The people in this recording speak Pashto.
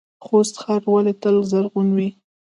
خوست ښار ولې تل زرغون وي؟